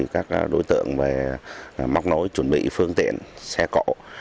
các đối tượng mắc nối chuẩn bị phương tiện xe cộ